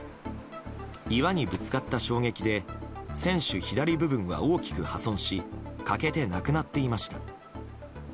岩にぶつかった衝撃で船首左部分は大きく破損し欠けてなくなっていました。